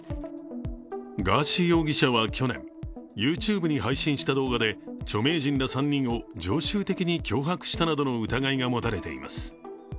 ガーシー容疑者は去年、ＹｏｕＴｕｂｅに配信した動画で著名人ら３人を常習的に脅迫したなどの疑いが持たれています。